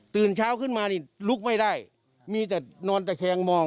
เช้าขึ้นมานี่ลุกไม่ได้มีแต่นอนตะแคงมอง